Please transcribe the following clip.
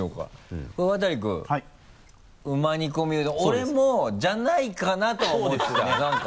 俺もじゃないかなとは思ってたなんか。